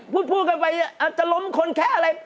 พูดกันไปอาจจะล้มคนแค่อะไร